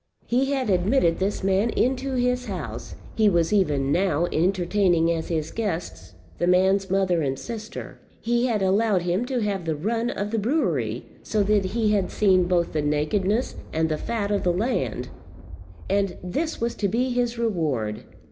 He had admitted this man into his house; he was even now entertaining as his guests the man's mother and sister; he had allowed him to have the run of the brewery, so that he had seen both the nakedness and the fat of the land; and this was to be his reward!